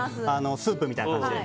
スープみたいな感じで。